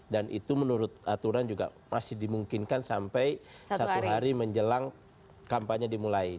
dan itu menurut aturan juga masih dimungkinkan sampai satu hari menjelang kampanye dimulai